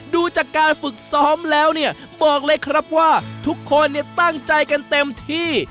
ดูจากการฝึกซ้อมแล้วเนี่ยบอกเลยครับว่าทุกคนเนี่ยตั้งใจกันเต็มที่